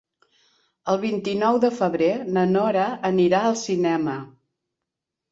El vint-i-nou de febrer na Nora anirà al cinema.